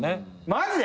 マジで！？